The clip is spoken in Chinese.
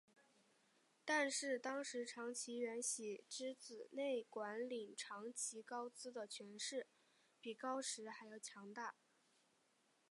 但是当时长崎圆喜之子内管领长崎高资的权势比高时还要强大。